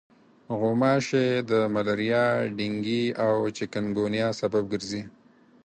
غوماشې د ملاریا، ډنګي او چکنګونیا سبب ګرځي.